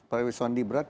pak sandi berat